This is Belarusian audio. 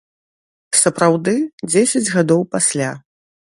Сапраўды, дзесяць гадоў пасля.